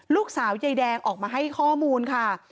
ลูกสาวไยแดงออกมาให้ข้อมูลค่ะ